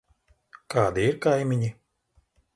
Kādi ir kaimiņi?